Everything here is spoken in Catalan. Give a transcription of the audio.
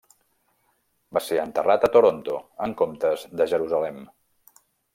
Va ser enterrat a Toronto en comptes de Jerusalem.